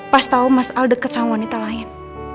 pas tau mas al deket sama wanita lain